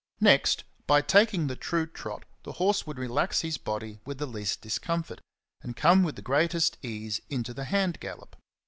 Next, by taking the true trot the horse would relax his body with the least discomfort, and come with the greatest ease into the hand gallop.